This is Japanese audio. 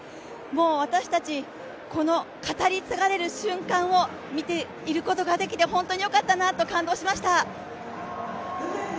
もう私たち、この語り継がれる瞬間を見ていられることができて本当によかったなと感動しました。